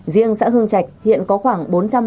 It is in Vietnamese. riêng xã hương chạch hiện có khoảng